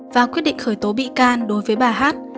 và quyết định khởi tố bị can đối với bà hát